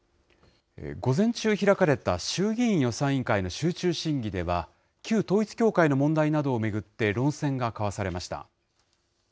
午前中開かれた衆議院予算委員会の集中審議では、旧統一教会の問題などを巡って論戦が交わされました。